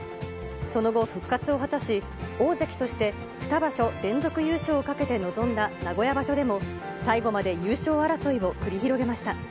その後、復活を果たし、大関として２場所連続優勝を懸けて臨んだ名古屋場所でも、最後まで優勝争いを繰り広げました。